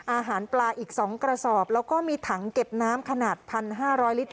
อาหารปลาอีกสองกระสอบแล้วก็มีถังเก็บน้ำขนาดพันห้าร้อยลิตร